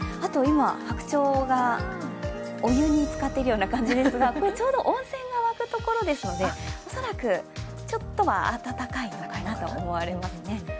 今、白鳥がお湯につかっているような感じですが、ちょうど温泉が湧くところですので、恐らくちょっとは温かいのかなと思われますね。